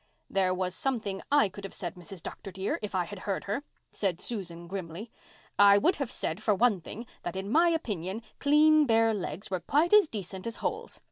"There was something I could have said, Mrs. Dr. dear, if I had heard her," said Susan grimly. "I would have said, for one thing, that in my opinion clean bare legs were quite as decent as holes.